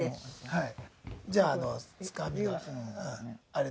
はい。